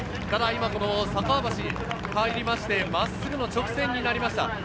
ただ酒匂橋に入って真っすぐの直線になりました。